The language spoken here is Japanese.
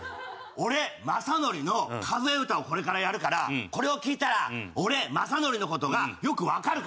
俺雅紀の数え歌をこれからやるからこれを聴いたら俺雅紀の事がよくわかるから。